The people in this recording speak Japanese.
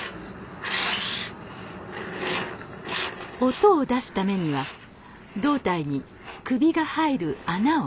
音を出すためには胴体に首が入る穴を開けます。